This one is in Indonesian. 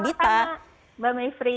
selamat malam mbak maifri